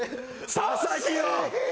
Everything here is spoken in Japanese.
佐々木よ！